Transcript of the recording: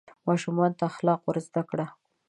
ماشومانو ته اخلاق ور زده کړه.